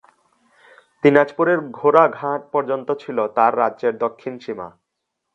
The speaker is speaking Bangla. দিনাজপুরের ঘোড়াঘাট পর্যন্ত ছিল তার রাজ্যর দক্ষিণ সীমা।